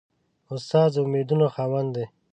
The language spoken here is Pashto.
استاد د امیدونو خاوند وي.